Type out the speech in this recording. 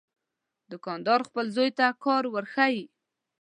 دوکاندار خپل زوی ته کار ورښيي.